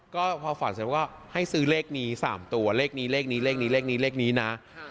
ก็พอฝันเสร็จก็ให้ซื้อเลขนี้๓ตัวเลขนี้เลขนี้เลขนี้เลขนี้เลขนี้นะ